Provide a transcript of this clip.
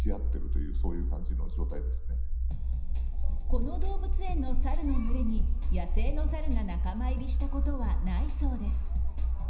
この動物園のサルの群れに野生のサルが仲間入りしたことはないそうです。